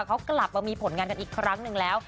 เขากลับมามีผลงานกันอีกครั้งหนึ่งแล้ว